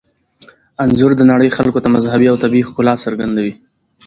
انځور د نړۍ خلکو ته مذهبي او طبیعي ښکلا څرګندوي.